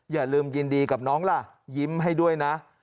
อย่าลืมยินดีกับน้องล่ะยิ้มให้ด้วยนะ